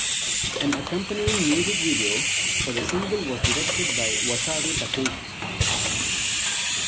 An accompanying music video for the single was directed by Wataru Takeishi.